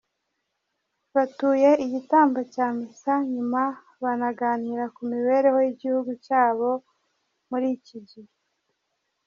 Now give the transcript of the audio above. Batuye igitambo cya misa, nyuma banaganira ku mibereho y’igihugu cyabo muri iki gihe.